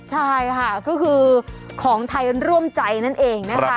ใช่ค่ะก็คือของไทยร่วมใจนั่นเองนะคะ